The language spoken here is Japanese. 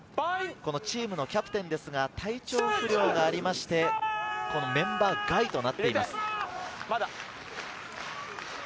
チームのキャプテンですが、体調不良がありまして、メンバー外となっています。